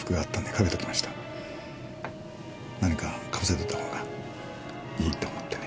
何か被せておいたほうがいいと思ってね。